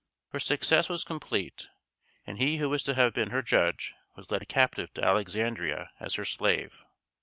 Her success was complete; and he who was to have been her judge, was led captive to Alexandria as her slave.